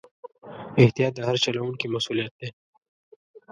احتیاط د هر چلوونکي مسؤلیت دی.